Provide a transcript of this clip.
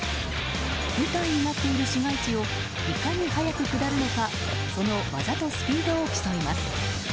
舞台になっている市街地をいかに速く下るのかその技とスピードを競います。